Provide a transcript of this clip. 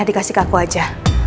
dikasih ke aku aja